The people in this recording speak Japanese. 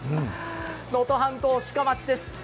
能登半島・志賀町です。